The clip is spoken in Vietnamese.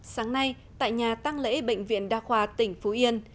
sáng nay tại nhà tăng lễ bệnh viện đa khoa tỉnh phú yên